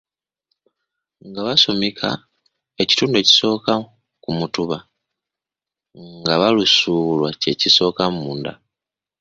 Nga basumika, kitundu ekitundu ekisooka ku mutuba nga lusubulwakye kisooka munda.